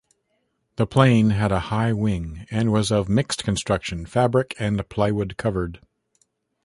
The plane had a high wing and was of mixed construction, fabric- and plywood-covered.